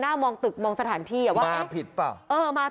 เป็นลุคใหม่ที่หลายคนไม่คุ้นเคย